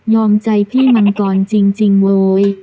ใจพี่มังกรจริงโวย